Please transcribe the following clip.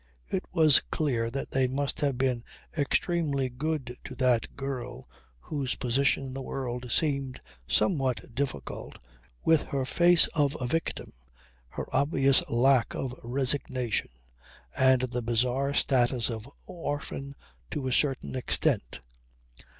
It was clear that they must have been extremely good to that girl whose position in the world seemed somewhat difficult, with her face of a victim, her obvious lack of resignation and the bizarre status of orphan "to a certain extent."